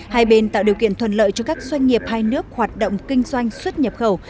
hai bên tạo điều kiện thuận lợi cho các doanh nghiệp hai nước hoạt động kinh doanh xuất nhập khẩu